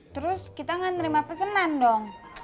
terus kita gak nerima pesenan dong